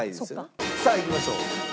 さあいきましょう。